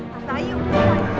mas bayu mau ikut